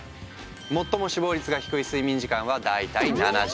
最も死亡率が低い睡眠時間は大体７時間。